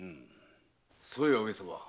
そういえば上様。